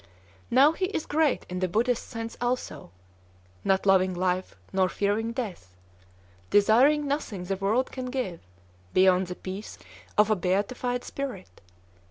Now, he is great in the Buddhist sense also, not loving life nor fearing death, desiring nothing the world can give, beyond the peace of a beatified spirit.